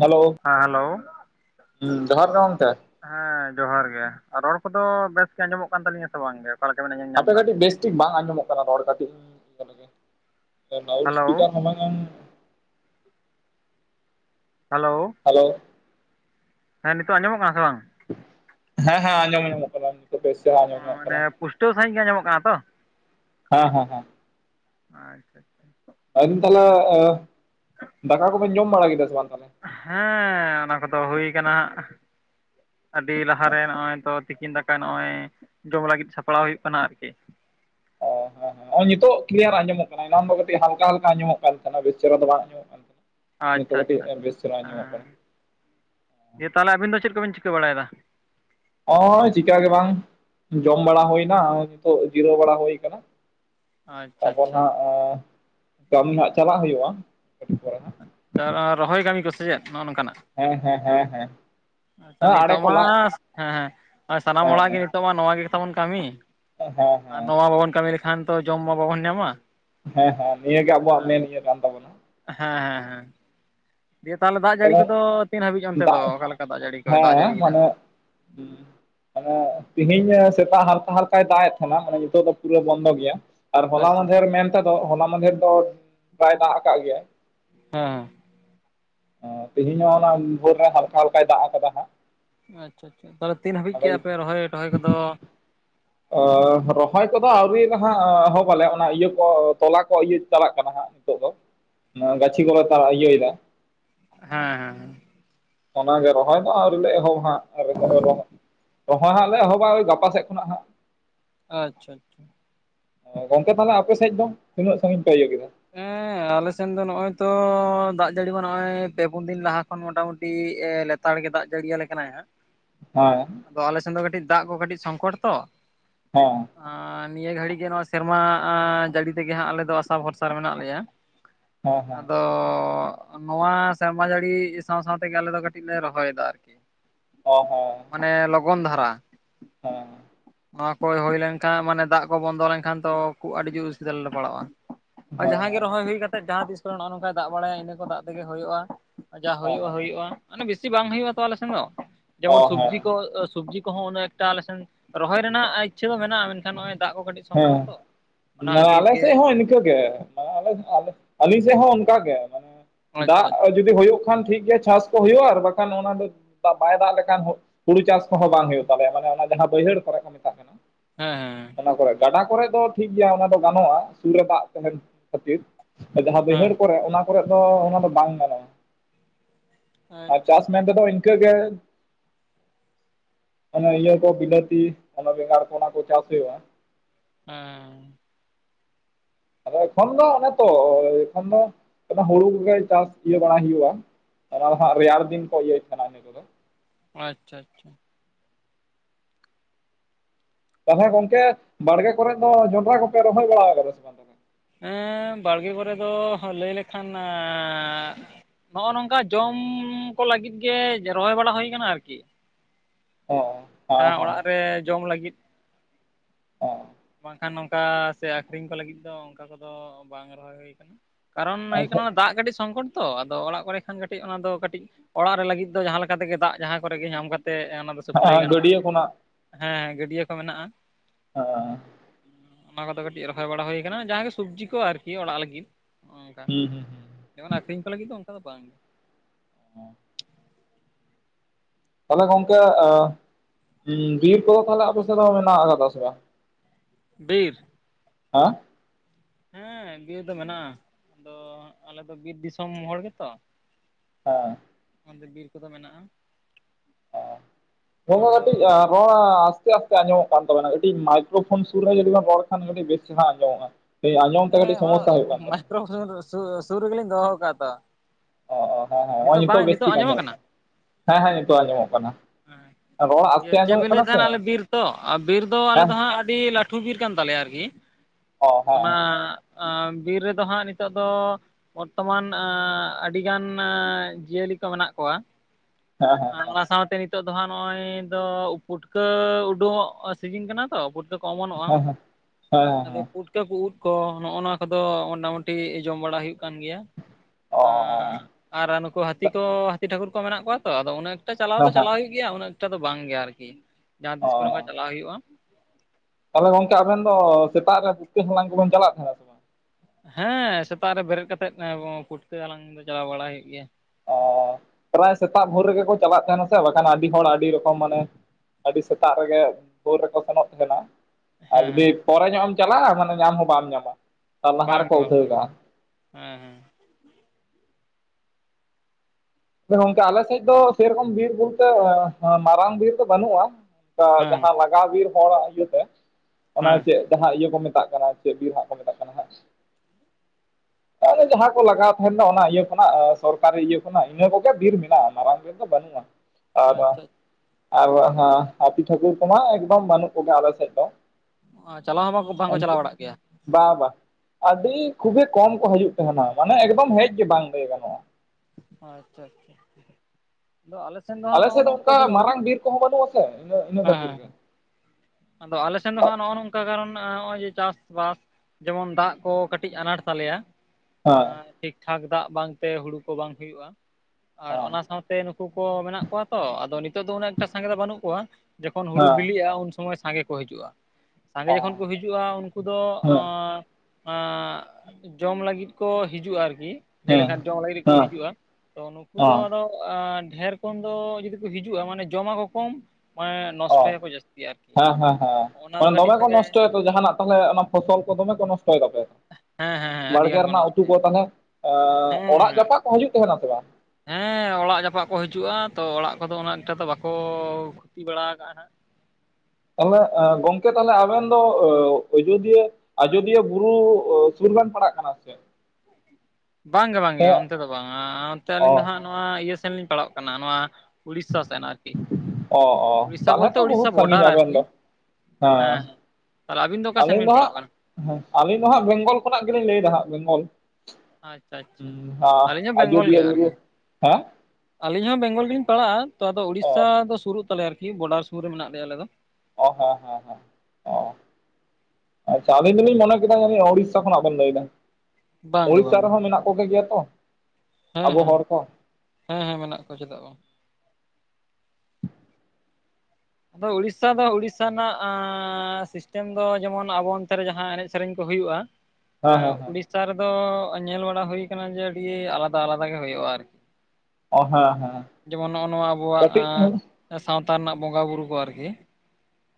Hello ᱦᱮᱸ hello ᱦᱩᱸ ᱡᱚᱦᱟᱨ ᱜᱮ ᱜᱚᱝᱠᱮ ᱦᱮᱸ ᱡᱚᱦᱟᱨ ᱜᱮ ᱨᱚᱲ ᱠᱚᱫᱚ ᱵᱮᱥ ᱜᱮ ᱟᱸᱡᱚᱢᱚᱜ ᱠᱟᱱ ᱛᱟᱞᱤᱧᱟ ᱥᱮ ᱵᱟᱝ ᱜᱮ ᱚᱠᱟ ᱞᱮᱠᱟ ᱵᱮᱱ ᱟᱸᱡᱚᱢ ᱧᱟᱢ ᱦᱟᱯᱮ ᱮᱫᱟ ᱠᱟᱹᱴᱤᱡ ᱵᱮᱥᱴᱷᱤᱠ ᱵᱟᱝ ᱟᱸᱡᱚᱢᱚᱜ ᱠᱟᱱᱟ ᱨᱚᱲ ᱠᱟᱹᱴᱤᱡᱼᱼ loud hello speaker [unintelligible] hello hello ᱦᱮᱸ ᱱᱤᱛᱚᱜ ᱟᱡᱚᱢᱚᱜ ᱠᱟᱱᱟ ᱥᱮ ᱵᱟᱝᱼᱼ ᱦᱮᱸ ᱦᱮᱸ ᱟᱸᱡᱚᱢ ᱧᱟᱢᱚᱜ ᱠᱟᱱᱟ ᱵᱮᱥ ᱧᱚᱜ ᱟᱸᱡᱚᱢ ᱧᱟᱢᱚᱜ ᱢᱟᱱᱮ ᱠᱟᱱᱟ ᱯᱩᱥᱴᱟᱹᱣ ᱥᱟᱺᱦᱤᱡ ᱜᱮ ᱟᱡᱚᱢᱚᱜ ᱠᱟᱱᱟ ᱛᱚ ᱦᱮᱸ ᱦᱮᱸ ᱦᱮᱸ ᱟᱪᱪᱷᱟ ᱟᱪᱪᱷᱟ ᱟᱵᱤᱱ ᱛᱟᱦᱚᱞᱮ ᱫᱟᱠᱟ ᱠᱚ ᱵᱮᱱ ᱡᱚᱢ ᱵᱟᱲᱟ ᱠᱮᱫᱟ ᱥᱮ ᱵᱟᱝ ᱛᱟᱦᱚᱞᱮ ᱦᱮᱸ ᱚᱱᱟ ᱠᱚᱫᱚ ᱦᱩᱭ ᱠᱟᱱᱟ ᱦᱟᱸᱜ ᱟᱹᱰᱤ ᱞᱟᱦᱟ ᱨᱮ ᱱᱚᱜᱚᱭ ᱛᱚ ᱛᱤᱠᱤᱱ ᱫᱟᱠᱟ ᱱᱚᱜᱚᱭ ᱡᱚᱢ ᱞᱟᱹᱜᱤᱫ ᱥᱟᱯᱲᱟᱣ ᱦᱩᱭᱩᱜ ᱠᱟᱱᱟ ᱟᱨᱠᱤᱼᱼ ᱚ ᱦᱮᱸ ᱱᱚᱜᱼᱚᱭ ᱱᱤᱛᱚᱜ ᱠᱞᱤᱭᱟᱨ ᱟᱸᱡᱚᱢᱚᱜ ᱠᱟᱱᱟ ᱮᱱᱟᱱ ᱫᱚ ᱠᱟᱹᱴᱤᱡ ᱦᱟᱞᱠᱟ ᱦᱟᱞᱠᱟ ᱟᱸᱡᱚᱢᱚᱜ ᱠᱟᱱ ᱛᱟᱦᱮᱸᱱᱟ, ᱵᱮᱥ ᱪᱮᱦᱨᱟ ᱫᱚ ᱵᱟᱝ ᱟᱸᱚᱢᱚᱜ ᱠᱟᱱ ᱛᱟᱦᱮᱸᱱᱟ᱾ ᱱᱤᱛᱚᱜ ᱟᱪᱪᱷᱟ ᱟᱪᱪᱷᱟ ᱠᱟᱹᱴᱤᱡ ᱟᱪᱪᱷᱟ ᱵᱮᱥ ᱪᱮᱦᱨᱟ ᱟᱸᱢᱚᱜ ᱠᱟᱱᱟ᱾ ᱦᱮᱸ ᱫᱤᱭᱮ ᱛᱟᱦᱚᱞᱮ ᱟᱵᱤᱱ ᱫᱚ ᱪᱮᱫ ᱠᱚᱵᱤᱱ ᱪᱤᱠᱟᱹ ᱵᱟᱲᱟᱭᱫᱟ? ᱚᱸᱭ ᱪᱮᱠᱟ ᱜᱮ ᱵᱟᱝ ᱡᱚᱢ ᱵᱟᱲᱟ ᱦᱩᱭᱱᱟ, ᱦᱤᱛᱚᱜ ᱡᱤᱨᱟᱹᱣ ᱵᱟᱲᱟ ᱦᱩᱭ ᱠᱟᱱᱟ, ᱟᱪᱪᱷᱟ ᱛᱟᱯᱚᱨ ᱦᱟᱸᱜ ᱟᱪᱪᱷᱟ ᱮᱸ ᱠᱟᱹᱢᱤ ᱦᱟᱸᱜ ᱪᱟᱞᱟᱜ ᱦᱩᱭᱩᱜᱼᱟ ᱠᱟᱹᱴᱤᱡ ᱯᱚᱨᱮ ᱦᱟᱸᱜ᱾ ᱨᱚᱦᱚᱭ ᱠᱟᱹᱢᱤ ᱠᱚᱥ ᱪᱮᱫ ᱱᱚᱜᱼ ᱱᱚᱝᱠᱟᱱᱟᱜ? ᱦᱮᱸ ᱦᱮᱸ ᱦᱮᱸ ᱦᱮᱸ ᱦᱮᱸ ᱟᱪᱪᱚ ᱟᱲᱮ ᱱᱤᱛᱳᱜ ᱠᱚ ᱢᱟ ᱞᱟᱜ ᱦᱮᱸ ᱦᱮᱸ ᱥᱟᱱᱟᱢ ᱦᱚᱲᱟᱜ ᱜᱮ ᱱᱤᱛᱚᱜ ᱢᱟ ᱱᱚᱣᱟ ᱜᱮᱛᱟᱵᱚᱱ ᱠᱟᱹᱢᱤ, ᱦᱮᱸ ᱦᱮᱸ ᱟᱨ ᱦᱮᱸ ᱱᱚᱣᱟ ᱵᱟᱵᱚᱱ ᱠᱟᱹᱢᱤ ᱞᱮᱠᱷᱟᱱ ᱛᱚ ᱡᱚᱢ ᱢᱟ ᱵᱟᱵᱚᱱ ᱧᱟᱢᱟ᱾ ᱦᱮᱸ ᱦᱮᱸ ᱱᱤᱭᱟᱹ ᱜᱮ ᱟᱵᱚᱣᱟᱜ ᱢᱮᱱ ᱤᱭᱟᱹ ᱠᱟᱱ ᱛᱟᱵᱚᱱᱟ᱾ ᱦᱮᱸ ᱦᱮᱸ ᱦᱮᱸ᱾ ᱫᱤᱭᱮ ᱛᱟᱦᱚᱞᱮ ᱫᱟᱜ ᱡᱟᱹᱲᱤ ᱛᱚᱵᱮ ᱠᱚᱫᱚ ᱛᱤᱱ ᱦᱟᱹᱵᱤᱡ ᱚᱱᱛᱮ ᱫᱚ ᱫᱟᱜ ᱚᱠᱟᱞᱮᱠᱟ ᱫᱟᱜ ᱡᱟᱹᱲᱤ ᱠᱚᱭ ᱫᱟᱜ ᱡᱟᱹᱲᱤᱭᱫᱟ? ᱦᱩᱸ᱾ ᱢᱟᱱᱮ ᱛᱮᱦᱤᱧ ᱦᱚ ᱥᱮᱛᱟᱜ ᱦᱟᱞᱠᱟ ᱦᱟᱞᱠᱟᱭ ᱫᱟᱜ ᱮᱫ ᱛᱟᱦᱮᱸᱱᱟ ᱢᱟᱱᱮ ᱱᱤᱛᱚᱜ ᱫᱚ ᱯᱩᱨᱟᱹ ᱵᱚᱱᱫᱚ ᱜᱮᱭᱟ ᱾ ᱟᱨ ᱦᱚᱞᱟ ᱟᱪᱪᱷᱟ ᱢᱫᱷᱮᱨ ᱢᱮᱱ ᱛᱮᱫᱚ ᱦᱚᱞᱟ ᱢᱟᱦᱫᱷᱮᱨ ᱫᱚ ᱵᱟᱭ ᱫᱟᱜ ᱠᱟᱜ ᱜᱮᱭᱟ ᱾ ᱦᱮᱸ ᱦᱮᱸ᱾ ᱮᱸ ᱛᱮᱦᱤᱧ ᱦᱚ ᱚᱱᱟ ᱵᱷᱳᱨ ᱨᱮ ᱦᱟᱞᱠᱟ ᱦᱟᱞᱠᱟᱭ ᱫᱟᱜ ᱠᱟᱫᱟ ᱦᱟᱸᱜ ᱾ ᱟᱪᱪᱷᱟ ᱟᱪᱪᱷᱟ ᱛᱟᱦᱚᱞᱮ ᱛᱤᱱ ᱦᱟᱹᱵᱤᱡ ᱠᱷᱮᱜ ᱟᱯᱮ ᱨᱚᱦᱚᱭ ᱨᱚᱦᱚᱭ ᱠᱚᱫᱚ? ᱚ ᱨᱚᱦᱚᱭ ᱠᱚᱫᱚ ᱟᱹᱣᱨᱤ ᱫᱚ ᱦᱟᱸᱜ ᱦᱚᱸ ᱵᱟᱞᱮ ᱚᱱᱟ ᱤᱭᱟᱹ ᱠᱚ ᱛᱚᱞᱟ ᱠᱚ ᱤᱭᱟᱹ ᱪᱟᱞᱟᱜ ᱠᱟᱱᱟ ᱦᱟᱸᱜ ᱾ ᱱᱤᱛᱚᱜ ᱫᱚ ᱚᱱᱮ ᱜᱟᱹᱪᱷᱤ ᱠᱚᱞᱮ ᱤᱭᱟᱹᱭᱫᱟ, ᱦᱮᱸ ᱦᱮᱸ ᱦᱮᱸ᱾ ᱚᱱᱟᱜᱮ ᱨᱚᱦᱚᱭ ᱫᱚ ᱟᱹᱣᱨᱤᱞᱮ ᱮᱦᱚᱵᱟ ᱦᱟᱸᱜ, ᱨᱚ ᱦᱚ ᱨᱚᱦᱚᱭ ᱦᱟᱸᱜ ᱞᱮ ᱮᱦᱚᱵᱟ ᱳ ᱜᱟᱯᱟ ᱥᱮᱫ ᱠᱷᱚᱱᱟᱜ ᱦᱟᱸᱜ ᱾ ᱟᱪᱪᱷᱟ ᱪᱷᱟ ᱪᱷᱟ᱾ ᱜᱚᱝᱠᱮ ᱛᱟᱦᱚᱞᱮ ᱟᱯᱮ ᱥᱮᱫ ᱫᱚ ᱛᱤᱱᱟᱹᱜ ᱥᱟᱺᱜᱤᱧ ᱯᱮ ᱤᱭᱟ ᱠᱮᱫᱟ? ᱦᱮᱸᱻ ᱟᱞᱮᱥᱮᱱ ᱫᱚ ᱱᱚᱜᱼᱚᱭ ᱛᱚ ᱫᱟᱜ ᱡᱟᱹᱲᱤ ᱢᱟ ᱱᱚᱜᱼᱚᱭ ᱯᱮ ᱯᱩᱱ ᱫᱤᱱ ᱞᱟᱦᱟ ᱠᱷᱚᱱ ᱢᱚᱴᱟᱢᱩᱴᱤ ᱮ ᱞᱮ ᱛᱟᱲ ᱜᱮ ᱫᱟᱜ ᱡᱟᱹᱲᱤᱭᱟᱞᱮ ᱠᱟᱱᱟᱭ ᱦᱟᱸᱜ ᱾ ᱦᱮᱸ᱾ ᱟᱫᱚ ᱟᱞᱮ ᱥᱮᱱ ᱫᱚ ᱠᱟᱹᱴᱤᱡ ᱫᱟᱜ ᱠᱚ ᱠᱟᱹᱴᱤᱡ ᱥᱚᱝᱠᱚᱴ ᱛᱚ, ᱦᱮᱸ᱾ ᱟᱸ ᱱᱤᱭᱟᱹ ᱜᱷᱟᱹᱲᱤᱡ ᱜᱮ ᱱᱚᱣᱟ ᱥᱮᱨᱢᱟ ᱡᱟᱹᱲᱤ ᱛᱮᱜᱮ ᱦᱟᱸᱜ ᱟᱞᱮ ᱫᱚ ᱟᱥᱟ ᱵᱷᱚᱨᱥᱟ ᱨᱮ ᱢᱮᱱᱟᱜ ᱞᱮᱭᱟ᱾ ᱦᱮᱸ ᱦᱮᱸ ᱟᱫᱚᱻ ᱱᱚᱣᱟ ᱥᱮᱨᱢᱟ ᱡᱟᱹᱲᱤ ᱥᱟᱶ-ᱥᱟᱶᱛᱮᱜᱮ ᱟᱞᱮ ᱫᱚ ᱠᱟᱹᱴᱤᱡ ᱞᱮ ᱨᱚᱦᱚᱭᱫᱟ ᱟᱨᱠᱤ᱾ ᱚ ᱦᱮᱸ᱾ ᱢᱟᱱᱮ ᱞᱚᱜᱚᱱ ᱫᱷᱟᱨᱟ᱾ ᱦᱮᱸ᱾ ᱱᱚᱣᱟ ᱠᱚ ᱦᱩᱭ ᱞᱮᱱᱠᱷᱟᱱ ᱢᱟᱱᱮ ᱫᱟᱜ ᱠᱚ ᱵᱚᱱᱫᱚ ᱞᱮᱱᱠᱷᱟᱱ ᱛᱚ ᱠᱷᱚ ᱟᱹᱰᱤᱡᱳᱨ ᱚᱥᱩᱵᱤᱫᱟ ᱨᱮᱞᱮ ᱯᱟᱲᱟᱜᱼᱟ ᱾ ᱦᱮᱸ ᱟᱨ ᱦᱮᱸ ᱡᱟᱦᱟᱸᱭ ᱜᱮ ᱦᱮᱸ ᱨᱚᱦᱚᱭ ᱦᱩᱭ ᱠᱟᱛᱮᱜ ᱡᱟᱦᱟᱸ ᱛᱤᱥ ᱠᱚᱨᱮ ᱱᱚᱜᱼᱚᱭ ᱱᱚᱝᱠᱟᱭ ᱫᱟᱜ ᱵᱟᱲᱟᱭᱟ ᱤᱱᱟᱹ ᱠᱚ ᱫᱟᱜ ᱛᱮᱜᱮ ᱦᱩᱭᱩᱜᱼᱟ ᱾ ᱡᱟ ᱚ ᱦᱩᱭᱩᱜᱼᱟ ᱦᱮᱸ ᱦᱩᱭᱩᱜᱼᱟ, ᱢᱟᱱᱮ ᱵᱮᱥᱤ ᱵᱟᱝ ᱦᱩᱭᱩᱜᱼᱟ ᱛᱚ ᱟᱞᱮ ᱥᱮᱱ ᱫᱚ, ᱚ ᱡᱮᱢᱚᱱ ᱦᱮᱸ ᱥᱚᱵᱡᱤ ᱠᱚ ᱥᱚᱵᱡᱤ ᱠᱚᱦᱚᱸ ᱩᱱᱟᱹᱜ ᱴᱟ ᱟᱞᱮᱥᱮᱱ ᱨᱚᱦᱚᱭ ᱨᱮᱱᱟᱜ ᱤᱪᱪᱷᱟᱹ ᱫᱚ ᱢᱮᱱᱟᱜᱼᱟ ᱢᱮᱱᱠᱷᱟᱱ ᱱᱚᱜᱼᱚᱭ ᱫᱟᱜ ᱠᱚ ᱠᱟᱹᱴᱤᱡ ᱥᱚᱝᱠᱚᱴ ᱦᱮᱸ ᱛᱚ ᱚᱱᱟ ᱱᱚᱣᱟ ᱠᱷᱟᱹᱛᱤᱨ ᱟᱞᱮ ᱜᱮ ᱥᱮᱫ ᱦᱚᱸ ᱤᱱᱠᱟᱹ ᱜᱮ ᱱᱚᱣᱟ ᱟᱞᱮ ᱟᱹᱞᱤᱧ ᱥᱮᱫ ᱦᱚᱸ ᱚᱱᱠᱟ ᱜᱮ ᱢᱟᱱᱮ ᱫᱟᱜ ᱟᱪᱪᱷᱟ ᱡᱩᱫᱤ ᱦᱳᱭᱳᱜ ᱵᱟᱠᱷᱟᱱ ᱴᱷᱤᱠ ᱜᱮᱭᱟ ᱪᱟᱥ ᱠᱚ ᱦᱩᱭᱩᱜᱼᱟ ᱟᱨ ᱵᱟᱠᱷᱟᱱ ᱚᱱᱟ ᱫᱚ ᱵᱟᱭ ᱫᱟᱜ ᱞᱮᱠᱷᱟᱱ ᱦᱩᱲᱩ ᱪᱟᱥ ᱠᱚᱦᱚᱸ ᱵᱟᱝ ᱦᱩᱭᱩᱜ ᱛᱟᱞᱮᱭᱟ ᱾ ᱢᱟᱱᱮ ᱚᱱᱟ ᱡᱟᱦᱟᱸ ᱵᱟᱹᱭᱦᱟᱹᱲ ᱠᱚᱨᱮ ᱠᱚ ᱢᱮᱛᱟᱜ ᱠᱟᱱᱟ ᱦᱮᱸ ᱦᱮᱸ ᱾ ᱚᱱᱟ ᱠᱚᱨᱮ, ᱜᱟᱰᱟ ᱠᱚᱨᱮ ᱫᱚ ᱴᱷᱤᱠ ᱜᱮᱭᱟ ᱾ ᱚᱱᱟ ᱫᱚ ᱜᱟᱱᱚᱜᱼᱟ, ᱥᱩᱨ ᱨᱮ ᱫᱟᱜ ᱛᱟᱦᱮᱱ ᱠᱷᱟᱹᱛᱤᱨ ᱾ ᱡᱟᱦᱟᱸ ᱵᱟᱹᱭᱦᱟᱹᱲ ᱦᱮᱸ ᱠᱚᱨᱮ ᱚᱱᱟ ᱠᱚᱨᱮ ᱫᱚ ᱚᱱᱟ ᱫᱚ ᱵᱟᱝ ᱜᱟᱱᱚᱜᱼᱟ ᱾ ᱟᱨ ᱟᱪᱪᱷᱟ ᱪᱟᱥ ᱢᱮᱱᱛᱮ ᱛᱮ ᱫᱚ ᱤᱱᱠᱟᱹ ᱜᱮ ᱚᱱᱮ ᱤᱭᱟᱹ ᱠᱚ ᱵᱤᱞᱟᱹᱛᱤ, ᱚᱱᱮ ᱵᱮᱸᱜᱟᱲ, ᱠᱚ ᱚᱱᱟ ᱠᱚ ᱪᱟᱥ ᱦᱩᱭᱩᱜᱼᱟ ᱾ ᱦᱮᱸ ᱾ ᱟᱫᱚ ᱮᱠᱷᱚᱱ ᱫᱚ ᱚᱱᱮ ᱛᱚ ᱮᱠᱷᱚᱱ ᱫᱚ ᱦᱩᱲᱩ ᱠᱚᱜᱮ ᱪᱟᱥ ᱤᱭᱟᱹ ᱵᱟᱲᱟᱭ ᱦᱩᱭᱩᱜᱼᱟ ᱾ ᱚᱱᱟ ᱫᱚ ᱦᱟᱜ ᱨᱮᱭᱟᱨ ᱫᱤᱱ ᱠᱚ ᱛᱟᱦᱮᱱᱟ ᱠᱚ ᱫᱚ ᱾ ᱟᱪᱪᱷᱟ ᱟᱪᱪᱷᱟ ᱾ ᱛᱟᱦᱚᱞᱮ ᱜᱚᱝᱠᱮ ᱵᱟᱲᱜᱮ ᱠᱚᱨᱮ ᱫᱚ ᱡᱚᱸᱰᱨᱟ ᱠᱚᱯᱮ ᱨᱚᱦᱚᱭ ᱵᱟᱲᱟ ᱠᱟᱫᱟ ᱥᱮ ᱵᱟᱝ? ᱦᱮᱸ ᱵᱟᱲᱜᱮ ᱠᱚᱨᱮ ᱫᱚ ᱞᱟᱹᱭ ᱞᱮᱠᱷᱟᱱ ᱱᱚᱜᱼᱱᱚᱝᱠᱟ ᱡᱚᱢ ᱠᱚ ᱞᱟᱹᱜᱤᱫ ᱜᱮ ᱨᱚᱦᱚᱭ ᱵᱟᱲᱟ ᱦᱩᱭ ᱟᱠᱟᱱᱟ ᱟᱨᱠᱤ ᱾ ᱦᱚ ᱡᱟᱦᱟᱸ ᱚᱲᱟᱜ ᱨᱮ ᱡᱚᱢ ᱞᱟᱹᱜᱤᱫ ᱾ ᱚ ᱵᱟᱝᱠᱷᱟᱱ ᱱᱚᱝᱠᱟ ᱥᱮ ᱟᱠᱷᱨᱤᱧ ᱠᱚ ᱞᱟᱹᱜᱤᱫ ᱫᱚ ᱚᱱᱠᱟ ᱠᱚᱫᱚ ᱵᱟᱝ ᱨᱚᱦᱚᱭ ᱦᱩᱭ ᱟᱠᱟᱱᱟ ᱾ ᱠᱟᱨᱚᱱ ᱦᱩᱭᱩᱜ ᱟᱪᱪᱷᱟ ᱠᱟᱱᱟ ᱫᱟᱜ ᱠᱟᱹᱴᱤᱡ ᱥᱚᱝᱠᱚᱴ ᱛᱚ, ᱟᱫᱚ ᱚᱲᱟᱜ ᱠᱚᱨᱮ ᱠᱷᱟᱱ ᱠᱟᱹᱴᱤᱡ ᱚᱱᱟ ᱫᱚ ᱠᱟᱹᱴᱤᱡ ᱚᱲᱟᱜ ᱨᱮ ᱞᱟᱹᱜᱤᱫ ᱫᱚ ᱡᱟᱦᱟᱸ ᱞᱮᱠᱟ ᱛᱮᱜᱮ ᱫᱟᱜ ᱡᱟᱦᱟᱸ ᱠᱚᱨᱮᱜᱮ ᱧᱟᱢ ᱠᱟᱛᱮᱜ ᱥᱟᱹᱯᱞᱟᱹᱭ ᱜᱟᱱᱚᱜᱼᱟ᱾ ᱦᱮᱸ ᱜᱟᱹᱰᱭᱟᱹ ᱠᱷᱚᱱᱟᱜ ᱦᱮᱸ ᱜᱟᱹᱰᱭᱟᱹ ᱠᱚ ᱢᱮᱱᱟᱜᱼᱟ ᱾ ᱚᱻ ᱚᱱᱟ ᱠᱚᱫᱚ ᱠᱟᱹᱴᱤᱡ ᱨᱚᱦᱚᱭ ᱵᱟᱲᱟ ᱦᱩᱭ ᱠᱟᱱᱟ ᱾ ᱡᱟᱦᱟᱸᱮ ᱥᱚᱵᱽᱡᱤ ᱠᱚ ᱟᱨᱠᱤ ᱚᱲᱟᱜ ᱞᱟᱹᱜᱤᱫ ᱱᱚ ᱱᱚᱝᱠᱟ ᱾ ᱦᱩᱸ ᱦᱩᱸ ᱦᱩᱸ ᱡᱮᱢᱚᱱ ᱟᱠᱷᱨᱤᱧ ᱠᱚ ᱞᱟᱹᱜᱤᱫ ᱫᱚ ᱚᱱᱠᱟ ᱫᱚ ᱵᱟᱝ ᱜᱮ ᱾ [inaudible] ᱛᱟᱦᱚᱞᱮ ᱜᱚᱝᱠᱮ ᱵᱤᱨ ᱠᱚᱫᱚ ᱛᱟᱦᱮ ᱟᱯᱮ ᱥᱮᱫ ᱫᱚ ᱦᱚᱸ ᱢᱮᱱᱟᱜ ᱟᱠᱟᱫᱟ ᱥᱮ ᱵᱟᱝ? ᱵᱤᱨ? ᱦᱮᱸ ᱾ ᱦᱮᱸ ᱵᱤᱨ ᱫᱚ ᱢᱮᱱᱟᱜᱼᱟ ᱾ ᱟᱫᱚ ᱟᱞᱮ ᱫᱚ ᱵᱤᱨ ᱫᱤᱥᱚᱢ ᱦᱚᱲ ᱜᱮᱛᱚ ᱾ ᱦᱚ ᱚᱱᱟᱸᱛᱮ ᱵᱤᱨ ᱠᱚᱫᱚ ᱢᱮᱱᱟᱜᱼᱟ ᱾ [inaudible] ᱠᱟᱹᱴᱤᱡᱟ ᱾ ᱨᱚᱲ ᱟᱥᱛᱮ ᱟᱥᱛᱮ ᱟᱸᱡᱚᱜ ᱠᱟᱱ ᱛᱟᱵᱮᱱᱟ ᱠᱟᱹᱴᱤᱡ ᱢᱟᱭᱠᱨᱳ ᱯᱷᱳᱱ ᱥᱩᱨ ᱨᱮ ᱡᱩᱫᱤ ᱵᱮᱚᱴᱱ ᱨᱚᱲ ᱠᱷᱟᱱ ᱟᱹᱰᱤ ᱵᱮᱥ ᱪᱮᱦᱨᱟ ᱟᱸᱡᱚᱢᱚᱜᱼᱟ ᱾ ᱟᱸᱡᱚᱢ ᱛᱮ ᱠᱟᱹᱴᱤᱡ ᱥᱚᱢᱚᱥᱥᱟ ᱦᱩᱭᱩᱜ ᱠᱟᱱ ᱦᱮᱸ ᱛᱟᱢᱟ ᱾ ᱥᱩᱨ ᱨᱮ ᱜᱮᱞᱤᱧ ᱫᱚᱦᱚ ᱠᱟᱜᱼᱟ ᱛᱚ ᱾ ᱚ ᱦᱮᱸ ᱦᱮᱸ ᱦᱚᱜᱼᱚᱭ ᱱᱤᱛᱚᱜᱜ ᱵᱮᱥ ᱴᱷᱤᱠ ᱟᱸᱡᱚᱢᱚᱜ ᱠᱟᱱᱟ ᱦᱮᱸ ᱦᱮᱸ ᱱᱤᱛᱚᱜ ᱟᱸᱡᱚᱢᱚᱜ ᱠᱟᱱᱟ ᱾ ᱤᱭᱟᱹ ᱪᱮᱫ ᱵᱮᱱ ᱞᱟᱹᱭᱮᱫ ᱛᱟᱦᱮᱸᱱᱟ ᱟᱞᱮ ᱵᱤᱨ ᱛᱚ ᱾ ᱵᱤᱨ ᱫᱚ ᱟᱞᱮ ᱦᱮᱸ ᱫᱚ ᱦᱟᱸᱜ ᱟᱹᱰᱤ ᱞᱟᱹᱴᱩ ᱵᱤᱨ ᱠᱟᱱ ᱛᱟᱞᱮᱭᱟ ᱟᱨᱠᱤ ᱾ ᱚ ᱦᱮᱸ ᱚᱱᱟ ᱵᱤᱨ ᱨᱮ ᱫᱚ ᱦᱟᱸᱜ ᱱᱤᱛᱚᱜ ᱫᱚ ᱵᱚᱨᱛᱚᱢᱟᱱ ᱟᱹᱰᱤᱜᱟᱱ ᱡᱤᱭᱟᱹᱞᱤ ᱠᱚ ᱢᱮᱱᱟᱜ ᱠᱚᱣᱟ ᱾ ᱦᱮᱸ ᱦᱮᱸ ᱟᱨ ᱦᱮᱸ ᱚᱱᱟ ᱥᱟᱶᱛᱮ ᱱᱤᱛᱚᱜ ᱫᱚ ᱦᱟᱸᱜ ᱱᱚᱜᱼᱚᱭ ᱫᱚ ᱯᱩᱴᱠᱟᱹ ᱩᱰᱩᱠᱚᱜ ᱥᱤᱡᱤᱱ ᱠᱟᱱᱟ ᱛᱚ ᱯᱩᱴᱠᱟᱹ ᱠᱚ ᱦᱮᱸ ᱚᱢᱚᱱᱚᱜᱼᱟ ᱦᱮᱸ ᱦᱮᱸ ᱟᱫᱚ ᱦᱮᱸ ᱯᱩᱴᱠᱟᱹ ᱠᱚ ᱩᱫ ᱠᱚ ᱱᱚᱜ-ᱱᱚᱣᱟ ᱠᱚᱫᱚ ᱢᱳᱴᱟ ᱢᱩᱴᱤ ᱡᱚᱢ ᱵᱟᱲᱟ ᱦᱩᱭᱩᱜ ᱠᱟᱱ ᱜᱮᱭᱟ ᱾ ᱚ ᱟᱨ ᱱᱩᱠᱩ ᱦᱟᱹᱛᱤ ᱠᱚ ᱦᱟᱹᱛᱤ ᱴᱷᱟᱹᱠᱩᱨ ᱠᱚ ᱢᱮᱱᱟᱜ ᱠᱚᱣᱟ ᱛᱚ ᱟᱫᱚ ᱩᱱᱟᱹᱜ ᱮᱠᱴᱟ ᱪᱟᱞᱟᱣ ᱫᱚ ᱦᱮᱸ ᱦᱮᱸ ᱪᱟᱞᱟᱣ ᱦᱩᱭᱩᱜ ᱜᱮᱭᱟ ᱩᱱᱟᱹᱜ ᱮᱠᱴᱟ ᱫᱚ ᱵᱟᱝ ᱜᱮᱭᱟ ᱟᱨᱠᱤ ᱾ ᱡᱟᱦᱟᱸ ᱚ ᱛᱤᱥ ᱠᱚᱨᱮ ᱱᱚᱠᱟ ᱪᱟᱞᱟᱣ ᱦᱩᱭᱩᱜᱼᱟ ᱾ ᱛᱟᱦᱚᱞᱮ ᱜᱚᱢᱠᱮ ᱟᱵᱮᱱ ᱫᱚ ᱥᱮᱛᱟᱜ ᱨᱮ ᱯᱩᱴᱠᱟᱹ ᱦᱟᱞᱟᱝ ᱠᱚᱵᱮᱱ ᱪᱟᱞᱟᱜ ᱛᱟᱦᱮᱱᱟ? ᱵᱟᱝ? ᱦᱮᱸ ᱥᱮᱛᱟᱜ ᱨᱮ ᱵᱮᱨᱮᱫ ᱠᱟᱛᱮᱜ ᱯᱩᱴᱠᱟᱹ ᱦᱟᱞᱟᱝ ᱫᱚ ᱪᱟᱞᱟᱣ ᱵᱟᱲᱟᱭ ᱦᱩᱭᱩᱜ ᱜᱮᱭᱟ ᱾ ᱚ ᱯᱨᱟᱭ ᱥᱮᱛᱟᱜ ᱵᱷᱳᱨ ᱨᱮᱜᱮ ᱠᱚ ᱪᱟᱞᱟᱜ ᱛᱟᱦᱮᱱᱟ, ᱥᱮ ᱵᱟᱠᱷᱟᱱ ᱟᱹᱰᱤ ᱦᱚᱲ ᱟᱹᱰᱤ ᱨᱚᱠᱚᱢ ᱢᱟᱱᱮ ᱟᱹᱰᱤ ᱥᱮᱛᱟᱜ ᱨᱮᱜᱮ ᱵᱷᱳᱨ ᱨᱮᱠᱚ ᱥᱮᱱᱚᱜ ᱛᱟᱦᱮᱸᱱᱟ ᱾ ᱟᱨ ᱦᱮᱸ ᱡᱩᱫᱤ ᱦᱮᱸ ᱯᱚᱨᱮ ᱧᱚᱜ ᱮᱢ ᱪᱟᱞᱟᱜᱼᱟ, ᱢᱟᱱᱮ ᱧᱟᱢ ᱦᱚᱸ ᱵᱟᱢ ᱧᱟᱢᱟ ᱾ ᱵᱟᱝ ᱜᱮ ᱵᱟᱝ ᱜᱮ, ᱦᱮᱸ ᱦᱮᱸ᱾ ᱟᱫᱚ ᱜᱚᱝᱠᱮ ᱟᱞᱮ ᱥᱮᱡ ᱫᱚ ᱥᱮᱨᱚᱠᱚᱢ ᱵᱤᱨ ᱵᱳᱨᱳ ᱛᱚ, ᱦᱮᱸ ᱢᱟᱨᱟᱝ ᱵᱤᱨ ᱫᱚ ᱵᱟᱹᱱᱩᱜᱼᱟ ᱾ ᱫᱟ ᱦᱮᱸ ᱡᱟᱦᱟᱸ ᱞᱟᱜᱟᱣ ᱵᱤᱨ ᱦᱚᱲᱟᱜ ᱤᱭᱟᱹᱛᱮ ᱚᱱᱟ ᱦᱮᱸ ᱪᱮᱫ ᱡᱟᱦᱟᱸ ᱤᱭᱟᱹ ᱠᱚ ᱢᱮᱛᱟᱜ ᱠᱟᱱᱟ, ᱪᱮᱫ ᱵᱤᱨ ᱦᱟᱸᱜ ᱠᱚ ᱢᱮᱛᱟᱜ ᱠᱟᱱᱟ ᱦᱟᱸᱜ, ᱟᱨᱮ ᱡᱟᱦᱟᱸ ᱠᱚ ᱞᱟᱜᱟᱣ ᱛᱟᱦᱮᱸᱱ ᱫᱚ ᱚᱱᱟ ᱤᱭᱟᱹ ᱠᱷᱚᱱᱟᱜ, ᱮᱸ ᱥᱚᱨᱠᱟᱹᱨᱤ ᱤᱭᱟᱹ ᱠᱷᱚᱱᱟᱜ ᱤᱱᱟᱹ ᱠᱚᱜᱮ ᱵᱤᱨ ᱢᱮᱱᱟᱜᱼᱟ, ᱢᱟᱨᱟᱝ ᱵᱤᱨ ᱫᱚ ᱵᱟᱹᱱᱩᱜᱼᱟ, ᱟᱨᱼᱟ ᱟᱪᱪᱷᱟ ᱟᱨ ᱦᱚ ᱦᱟᱸᱜ ᱦᱟᱺᱛᱤ ᱴᱷᱟᱹᱠᱩᱨ ᱠᱚᱢᱟᱜ ᱮᱠᱫᱚᱢ ᱵᱟᱹᱱᱩᱜ ᱠᱚᱜᱮ ᱟᱞᱮ ᱥᱮᱫ ᱫᱚ ᱾ ᱚᱸ ᱪᱟᱞᱟᱣ ᱦᱚᱸ ᱵᱟᱝᱠᱚ, ᱵᱟᱝᱠᱚ ᱪᱟᱞᱟᱣ ᱵᱟᱲᱟᱜ ᱜᱮᱭᱟ? ᱵᱟ ᱵᱟᱝ ᱟᱹᱰᱤ ᱠᱷᱩᱵᱮ ᱠᱚᱢ ᱠᱚ ᱦᱤᱡᱩᱜ ᱛᱟᱦᱮᱸᱱᱟ, ᱢᱟᱱᱮ ᱮᱠᱫᱚᱢ ᱦᱮᱡ ᱜᱮ ᱵᱟᱝ ᱞᱟᱹᱭ ᱜᱟᱱᱚᱜᱼᱟ ᱾ ᱚ ᱟᱪᱪᱷᱟ ᱟᱪᱪᱷᱟ ᱟᱪᱪᱷᱟ, ᱫᱚ ᱟᱞᱮ ᱥᱮ- ᱟᱞᱮᱥᱮᱫ ᱫᱚ ᱚᱱᱠᱟ ᱢᱟᱨᱟᱝ ᱵᱤᱨ ᱠᱚᱦᱚᱸ ᱵᱟᱹᱱᱩᱜᱼᱟ ᱥᱮ, ᱤᱱᱟᱹ ᱤᱱᱟᱹ ᱦᱮᱸ ᱠᱷᱟᱹᱛᱤᱨ ᱦᱮᱸ ᱜᱮ ᱾ ᱟᱫᱚ ᱟᱞᱮ ᱥᱮᱱ ᱫᱚ ᱦᱟᱸᱜ ᱱᱚᱜᱼᱚ ᱱᱚᱝᱠᱟ ᱠᱟᱨᱚᱱ ᱟᱸ ᱱᱚᱜᱼᱚᱭ ᱡᱮ ᱪᱟᱥ ᱵᱟᱥ ᱡᱮᱢᱚᱱ ᱫᱟᱜ ᱠᱚ ᱠᱟᱹᱴᱤᱡ ᱟᱱᱟᱴ ᱛᱟᱞᱮᱭᱟ, ᱦᱮᱸ ᱟᱸ ᱴᱷᱤᱠ ᱴᱷᱟᱠ ᱫᱟᱜ ᱵᱟᱝ ᱛᱮ ᱦᱩᱲᱩ ᱠᱚ ᱵᱟᱝ ᱦᱩᱭᱩᱜᱼᱟ ᱾ ᱟᱨ ᱦᱮᱸ ᱚᱱᱟ ᱥᱟᱶᱛᱮ ᱱᱩᱠᱩ ᱠᱚ ᱢᱮᱱᱟᱜ ᱠᱚᱣᱟ ᱛᱚ, ᱟᱫᱚ ᱱᱤᱛᱳᱜ ᱫᱚ ᱩᱱᱟᱹᱜ ᱮᱠᱴᱟ ᱥᱟᱸᱜᱮ ᱫᱚ ᱵᱟᱹᱱᱩᱜ ᱠᱚᱣᱟ ᱾ ᱡᱚᱠᱷᱚᱱ ᱦᱩᱲᱩ ᱦᱮᱸ ᱵᱤᱞᱤᱜᱼᱟ ᱩᱱ ᱥᱚᱢᱚᱭ ᱥᱟᱸᱜᱮ ᱠᱚ ᱦᱤᱡᱩᱜᱼᱟ, ᱥᱟᱸᱜᱮ ᱡᱚᱠᱷᱚᱱ ᱠᱚ ᱦᱤᱡ ᱡᱩᱜᱼᱟ ᱩᱱᱠᱩ ᱫᱚ, ᱦᱮᱸ ᱟᱸ ᱟᱸ ᱡᱚᱢ ᱞᱟᱹᱜᱤᱫ ᱠᱚ ᱦᱤᱡᱩᱜᱼᱟ ᱟᱨᱠᱤ? ᱤᱱᱟᱹ ᱦᱤᱞᱟᱹᱜ ᱦᱮᱸ ᱠᱷᱟᱱ ᱡᱚᱢ ᱞᱟᱹᱜᱤᱫ ᱜᱮᱠᱚ ᱦᱮᱸ ᱦᱤᱡᱩᱜᱼᱟ ᱛᱚ ᱱᱩᱠᱩ ᱫᱚ ᱦᱮᱸ ᱟᱫᱚ ᱟᱸ ᱰᱷᱮᱨ ᱠᱷᱚᱱ ᱫᱚ ᱡᱩᱫᱤ ᱠᱚ ᱦᱤᱡᱩᱜᱼᱟ, ᱢᱟᱱᱮ ᱡᱚᱢ ᱢᱟᱠᱚ ᱠᱚᱢ, ᱮᱸ ᱱᱚᱥᱴᱚᱭᱟᱠᱚ ᱡᱟᱹᱥ ᱦᱟᱸ ᱦᱮᱸ ᱦᱮᱸ ᱵᱟᱠᱷᱟᱱ ᱵᱟᱵᱟ ᱠᱚ ᱱᱚᱥᱴᱚᱭᱟ ᱛᱚ ᱡᱟᱦᱟᱸᱱᱟᱜ ᱛᱟᱦᱮᱞᱮ ᱚᱱᱟ ᱯᱷᱚᱥᱚᱞ ᱠᱚ ᱫᱚᱢᱮ ᱠᱚ ᱱᱚᱥᱴᱚᱭ ᱛᱟᱯᱮ᱾ ᱦᱮᱸ ᱦᱮᱸ ᱦᱮᱸ ᱟᱹᱰᱤ ᱵᱟᱲᱜᱮ ᱜᱟᱱ ᱨᱮᱱᱟᱜ ᱩᱛᱩ ᱱᱚᱥᱴᱚᱭᱟ ᱠᱚ ᱛᱟᱦᱮᱞᱮ ᱮᱸᱻ ᱦᱮᱸ ᱚᱲᱟᱜ ᱦᱮᱸ ᱡᱟᱯᱟᱜ ᱠᱚ ᱦᱤᱡᱩᱜ ᱛᱟᱦᱮᱸᱱᱟ ᱥᱮ ᱵᱟᱝ? ᱦᱮᱸ ᱚᱲᱟᱜ ᱡᱟᱯᱟᱜ ᱠᱚ ᱦᱤᱡᱩᱜᱼᱟ, ᱛᱚ ᱚᱲᱟᱜ ᱠᱚᱫᱚ ᱩᱱᱟᱹᱜ ᱴᱟᱜ ᱫᱚ ᱵᱟᱠᱚᱻ ᱠᱷᱩᱛᱤ ᱵᱟᱲᱟ ᱦᱟᱠᱟᱜᱼᱟ ᱱᱷᱟᱸᱜ᱾ ᱛᱟᱦᱚᱞᱮ ᱮᱸᱻ ᱜᱚᱝᱠᱮ ᱛᱟᱦᱮᱞᱮ ᱟᱵᱮᱱ ᱫᱚ ᱟᱹᱻ ᱳᱡᱳᱫᱤᱭᱟᱹ ᱟᱡᱚᱫᱤᱭᱟᱹ ᱵᱩᱨᱩᱻᱩ ᱥᱩᱨ ᱨᱮᱢ ᱯᱟᱲᱟᱜ ᱠᱟᱱᱟ ᱥᱮ ᱪᱮᱫ? ᱵᱟᱝ ᱜᱮ ᱵᱟᱝ ᱜᱮ, ᱚᱱᱛᱮ ᱫᱚ ᱵᱟᱝᱼᱟᱸ ᱚᱱᱛᱮ ᱟᱹᱞᱤᱧ ᱫᱚ ᱚ ᱦᱟᱸᱜ ᱱᱚᱣᱟ ᱤᱭᱟᱹ ᱥᱮᱱ ᱞᱤᱧ ᱯᱟᱲᱟᱣᱼᱚᱜ ᱠᱟᱱᱟ ᱱᱚᱣᱟ ᱩᱲᱤᱥᱥᱟ ᱥᱮᱱ ᱟᱨᱠᱤ, ᱚ ᱚ ᱩᱲᱤᱥᱥᱟ ᱛᱟᱦᱚᱞᱮ ᱵᱚᱞᱛᱮ ᱛᱚ ᱩᱲᱤᱥᱥᱟ ᱵᱚᱦᱩᱛ ᱥᱟᱺᱜᱤᱧ ᱵᱚᱰᱟᱨ ᱟᱵᱮᱱ ᱟᱨᱠᱤ, ᱫᱚ ᱮᱸ ᱦᱮᱸ ᱛᱟᱦᱚᱞᱮ ᱟᱹᱵᱤᱱ ᱫᱚ ᱚᱠᱟ ᱥᱮᱱ ᱟᱹᱞᱤᱧ ᱵᱤᱱ ᱦᱟᱸᱜ ᱯᱟᱲᱟᱜᱼᱚᱜ ᱠᱟᱱᱟ? ᱦᱮᱸ ᱟᱹᱞᱤᱧ ᱫᱚ ᱦᱟᱸᱜ ᱵᱮᱝᱜᱚᱞ ᱠᱷᱚᱱᱟᱜ ᱜᱮᱞᱤᱧ ᱞᱟᱹᱭ ᱮᱫᱟ ᱦᱟᱸᱜ ᱵᱮᱝᱜᱚᱞ᱾ ᱟᱪᱪᱷᱟ ᱟᱪᱪᱷᱟ ᱦᱩᱸ ᱦᱟ ᱟᱹᱞᱤᱧ ᱦᱚᱸ ᱵᱮᱝᱜᱚᱞ ᱜᱮ ᱟᱡᱚᱫᱤᱭᱟᱹ ᱵᱩᱨᱩ, ᱟᱨᱠᱤ ᱦᱮᱸ? ᱟᱹᱞᱤᱧ ᱦᱚᱸ ᱵᱮᱝᱜᱚᱞ ᱜᱮᱞᱤᱧ ᱯᱟᱲᱟᱜᱼᱟ ᱛᱚ ᱟᱫᱚ ᱩᱲᱤᱥᱥᱟ ᱚ ᱫᱚ ᱥᱩᱨᱩᱜ ᱛᱟᱞᱮᱭᱟ ᱟᱨᱠᱤ ᱵᱚᱰᱟᱨ ᱥᱩᱨ ᱨᱮ ᱢᱮᱱᱟᱜ ᱞᱮᱭᱟ ᱟᱞᱮ ᱫᱚ᱾ ᱚ ᱦᱚᱸ ᱦᱚᱸ ᱦᱚᱸ, ᱚᱸ᱾ ᱟᱪᱪᱷᱟ, ᱟᱹᱞᱤᱧ ᱫᱩᱞᱤᱧ ᱢᱚᱱᱮ ᱠᱮᱫᱟ ᱡᱟᱹᱱᱤᱡ ᱳᱲᱤᱥᱥᱟ ᱠᱷᱚᱱᱟᱜ ᱵᱮᱱ ᱞᱟᱹᱭ ᱮᱫᱟ᱾ ᱵᱟᱝ ᱜᱮ ᱳᱲᱤᱥᱥᱟ ᱵᱟᱝ ᱨᱮᱦᱚᱸ ᱢᱮᱱᱟᱜ ᱠᱚᱜᱮ ᱜᱮᱭᱟ ᱛᱚ᱾ ᱦᱮᱸ ᱟᱵᱚ ᱦᱮᱸ, ᱦᱚᱲ ᱠᱚ ᱦᱮᱸ ᱦᱮᱸ ᱢᱮᱱᱟᱜ ᱠᱚᱣᱟ ᱪᱮᱫᱟᱜ ᱵᱟᱝ᱾ ᱟᱫᱚ ᱩᱲᱤᱥᱥᱟ ᱫᱚ ᱩᱲᱤᱥᱥᱟ ᱨᱮᱱᱟᱜ ᱟᱸᱻ ᱥᱤᱥᱴᱟᱹᱢ ᱫᱚ ᱡᱮᱢᱚᱱ ᱟᱵᱚ ᱱᱚᱛᱮ ᱨᱮ ᱡᱟᱦᱟᱸ ᱮᱱᱮᱡ ᱥᱮᱨᱮᱧ ᱠᱚ ᱦᱩᱭᱩᱜᱼᱟ, ᱦᱮᱸ ᱦᱮᱸ ᱮᱸ ᱦᱮᱸ ᱩᱲᱤᱥᱥᱟ ᱨᱮᱫᱚᱻᱜ ᱧᱮᱞ ᱵᱟᱲᱟ ᱦᱩᱭ ᱠᱟᱱᱟ ᱡᱮ ᱟᱹᱰᱤ ᱟᱞᱟᱫᱟ ᱟᱞᱟᱫᱟ ᱜᱮ ᱦᱩᱭᱩᱜᱼᱟ ᱟᱨᱠᱤ᱾ ᱚ ᱦᱮᱸ ᱦᱮᱸ᱾ ᱡᱚᱢᱚᱱ ᱱᱚᱜᱼᱚ ᱱᱚᱣᱟ ᱟᱵᱚᱣᱟᱜ ᱠᱟᱹᱴᱤᱡ ᱮᱸ ᱥᱟᱶᱛᱟ ᱨᱮᱱᱟᱜ ᱵᱚᱸᱜᱟ ᱵᱩᱨᱩ ᱠᱚ ᱟᱨ ᱠᱤ᱾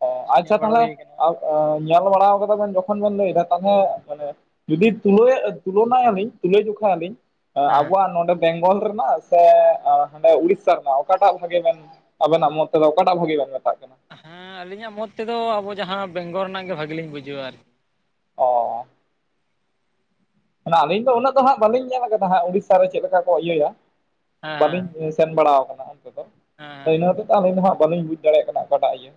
ᱚ ᱟᱪᱪᱷᱟ ᱛᱟᱦᱮᱞᱮ ᱟᱵ-ᱚ ᱧᱮᱞ ᱵᱟᱲᱟᱣ ᱟᱠᱟᱫᱟ ᱵᱮᱱ ᱡᱚᱠᱷᱚᱱ ᱵᱮᱱ ᱞᱟᱹᱭ ᱮᱫᱟ ᱛᱟᱞᱦᱮ, ᱢᱟᱱᱮ ᱡᱩᱫᱤ ᱛᱩᱞᱟᱹ ᱭᱟᱜ ᱛᱩᱞᱟᱹᱱᱟ ᱭᱟᱹᱞᱤᱧ ᱛᱩᱞᱟᱹ ᱡᱚᱠᱷᱟ ᱭᱟᱹᱞᱤᱧ, ᱮᱸ ᱦᱮᱸ ᱟᱵᱚᱣᱟᱜ ᱱᱚᱰᱮ ᱵᱮᱝᱜᱚᱞ ᱨᱮᱱᱟᱜ ᱥᱮ ᱟᱸ ᱦᱟᱸᱰᱮ ᱩᱲᱤᱥᱥᱟ ᱨᱮᱱᱟᱜ, ᱚᱠᱟ ᱴᱟᱜ ᱵᱷᱟᱜᱮ ᱵᱮᱱ ᱟᱵᱮᱱᱟᱜ ᱢᱚᱛᱚᱵᱽᱼᱮ ᱚᱠᱟᱴᱟᱜ ᱵᱷᱟᱹᱜᱤ ᱵᱮᱱ ᱢᱮᱛᱟᱜ ᱠᱟᱱᱟ? ᱦᱮᱸ ᱟᱞᱤᱧᱟᱜ ᱢᱚᱛ ᱛᱮᱫᱚ ᱟᱵᱚ ᱡᱟᱦᱟᱸ ᱵᱮᱝᱜᱚᱞ ᱨᱮᱱᱟᱜ ᱜᱮ ᱵᱷᱟᱜᱤᱞᱤᱧ ᱵᱩᱡᱷᱟᱹᱣᱟ ᱟᱨᱠᱤ ᱚᱻ ᱚᱱᱟ ᱟᱹᱞᱤᱧ ᱫᱚ ᱩᱱᱟᱹᱜ ᱫᱚ ᱦᱟᱸᱜ ᱵᱟᱹᱞᱤᱧ ᱧᱮᱞ ᱟᱠᱟᱫᱟ ᱦᱟᱸᱜ ᱩᱲᱤᱥᱥᱟ ᱨᱮ ᱪᱮᱫ ᱞᱮᱠᱟ ᱠᱚ ᱤᱭᱟᱹᱭᱟ ᱦᱮᱸ ᱵᱟᱹᱞᱤᱧ ᱥᱮᱱ ᱵᱟᱲᱟᱣ ᱟᱠᱟᱱᱟ ᱚᱱᱛᱮ ᱫᱚ ᱦᱮᱸ ᱤᱱᱟᱹ ᱦᱚᱛᱮᱛᱮ ᱟᱹᱞᱤᱧ ᱫᱚ ᱦᱟᱸᱜ ᱵᱟᱹᱞᱤᱧ ᱵᱩᱡᱽ ᱫᱟᱲᱮᱭᱟᱜ ᱠᱟᱱᱟ ᱚᱠᱟᱴᱟᱜ ᱤᱭᱟᱹ